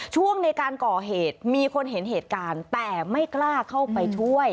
ช่วงในการก่อเหตุมีคนเห็นเหตุการณ์แต่ไม่กล้าเข้าไปช่วย